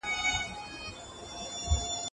نړيوالي تجربې د اقتصادي پرمختيا لپاره کارول کېدې.